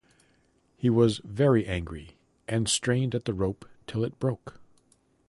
He was very angry, and strained at the rope till it broke.